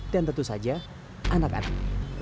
dan tentu saja anak anak